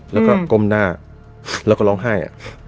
แล้วก็ก้มหน้าแล้วก็ร้องไห้